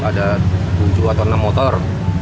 ada tujuh atau enam motor